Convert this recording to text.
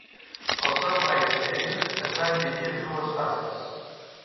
El "Sunrise Period" es va dividir en dues fases.